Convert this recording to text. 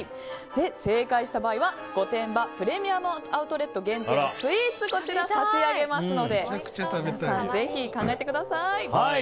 正解した場合は御殿場プレミアム・アウトレット限定スイーツを差し上げますので皆さん、ぜひ考えてください。